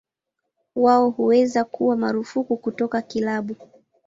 Wao huweza kuwa marufuku kutoka kilabu.